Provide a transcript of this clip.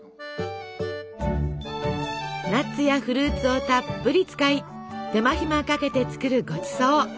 ナッツやフルーツをたっぷり使い手間暇かけて作るごちそう！